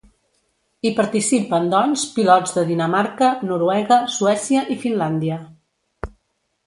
Hi participen, doncs, pilots de Dinamarca, Noruega, Suècia i Finlàndia.